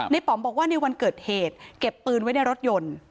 ป๋อมบอกว่าในวันเกิดเหตุเก็บปืนไว้ในรถยนต์